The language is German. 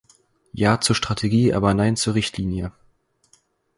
Ja zur Strategie, aber Nein zur Richtlinie.